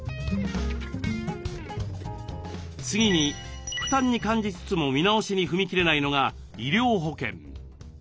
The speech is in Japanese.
次に負担に感じつつも見直しに踏み切れないのが医療保険。